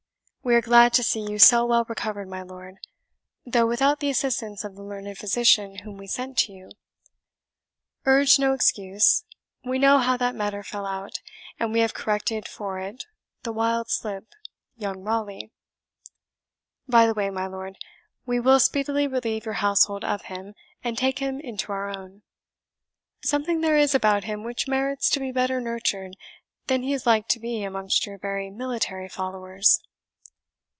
We are glad to see you so well recovered, my lord, though without the assistance of the learned physician whom we sent to you. Urge no excuse; we know how that matter fell out, and we have corrected for it the wild slip, young Raleigh. By the way, my lord, we will speedily relieve your household of him, and take him into our own. Something there is about him which merits to be better nurtured than he is like to be amongst your very military followers."